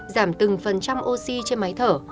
giảm từng phần trăm oxy trên máy thở